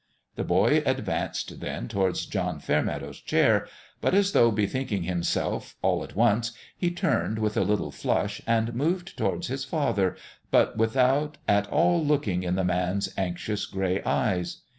The boy advanced, then, towards John Fair meadow's chair ; but as though bethinking him self, all at once, he turned, with a little flush, and moved towards his father, but without at all looking in the man's anxious gray eyes.